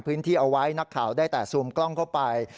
เอาไว้นักข่าวได้แต่ซูมกล้องเข้าไป